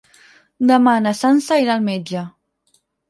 Demà na Sança irà al metge.